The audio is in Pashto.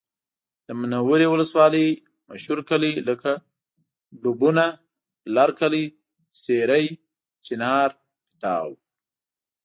د منورې ولسوالۍ مشهور کلي لکه ډوبونه، لرکلی، سېرۍ، چینار، پیتاو